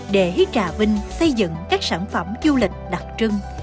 để hít trà vinh xây dựng các sản phẩm du lịch đặc trưng